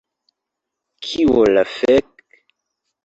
Kio la fek...?